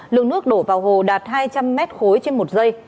lượng nước đổ vào hồ đạt hai trăm linh m khối trên một giây